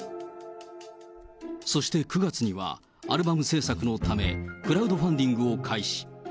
そして９月には、アルバム制作のため、クラウドファンディングを開始。